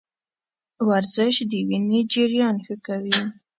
ورزش د وینې جریان ښه کوي.